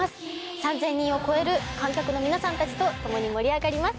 ３０００人を超える観客の皆さんたちと共に盛り上がります